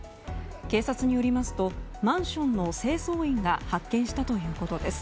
警察によりますとマンションの清掃員が発見したということです。